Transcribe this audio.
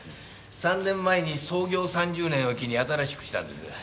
３年前に創業３０年を機に新しくしたんです。